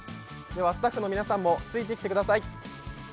スタッフの皆さんもついてきてください。